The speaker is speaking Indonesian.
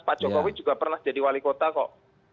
pak jokowi juga pernah jadi wali kota kok